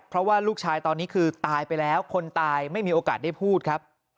เพราะว่าลูกชายตอนนี้คือตายไปแล้วคนตายไม่มีโอกาสได้พูดครับ